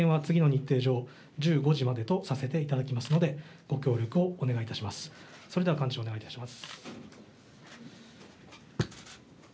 なお会見は次の日程上１５時までとさせていただきますのでご協力をお願いいたします。